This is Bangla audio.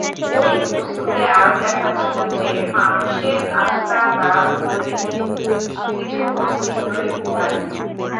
ঐ পুস্তকে আরও লেখা ছিল যে, মানুষের আত্মা বা ঐরূপ কিছুর অস্তিত্বই নাই।